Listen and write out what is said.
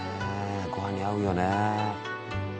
ごはんに合うよね。